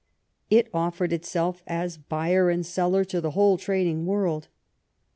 It offered itself as buyer and seller to the whole trading world.